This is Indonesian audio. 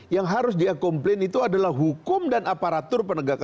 yang harus dia komplain itu adalah hukum dan aparatur penegakan hukum